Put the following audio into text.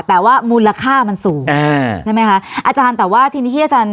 แต่ว่ามูลค่ามันสูงอ่าใช่ไหมคะอาจารย์แต่ว่าทีนี้ที่อาจารย์